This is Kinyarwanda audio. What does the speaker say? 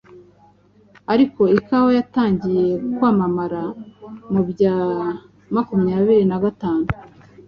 Ariko ikawa yatangiye kwamamara mu bya makumyabiri na gatanu